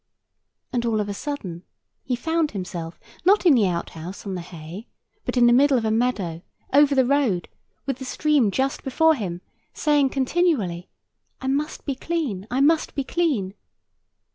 And all of a sudden he found himself, not in the outhouse on the hay, but in the middle of a meadow, over the road, with the stream just before him, saying continually, "I must be clean, I must be clean."